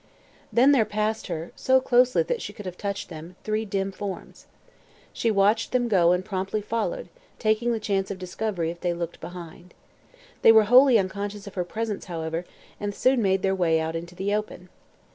Then there passed her, so closely that she could have touched them, three dim forms. She watched them go and promptly followed, taking the chance of discovery if they looked behind. They were wholly unconscious of her presence, however, and soon made their way out into the open.